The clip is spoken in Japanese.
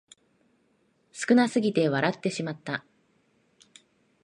少なすぎて笑ってしまった